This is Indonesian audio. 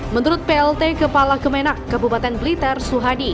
menurut plt kepala kemenak kabupaten blitar suhadi